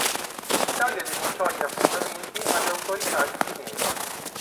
L'Italia denunciò gli affondamenti alle autorità di Ginevra.